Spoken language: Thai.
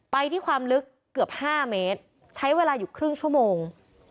ไปที่ความลึกเกือบ๕เมตรใช้เวลาอยู่ครึ่งชั่วโมง